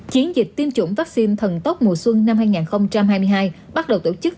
chiến dịch tiêm chủng vaccine thần tốc mùa xuân năm hai nghìn hai mươi hai bắt đầu tổ chức